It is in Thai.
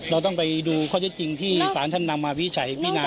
เราต้องไปดูข้อเจ็ดจริงที่ศาลท่านนำมาพิจัยพี่น้าว่า